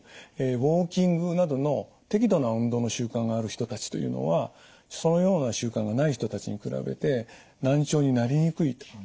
ウォーキングなどの適度な運動の習慣がある人たちというのはそのような習慣がない人たちに比べて難聴になりにくいというデータがあります。